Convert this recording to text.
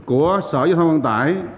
của sở giao thông văn tải